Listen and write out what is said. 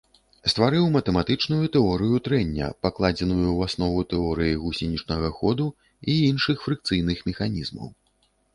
Стварыў матэматычную тэорыю трэння, пакладзеную ў аснову тэорыі гусенічнага ходу і іншых фрыкцыйных механізмаў.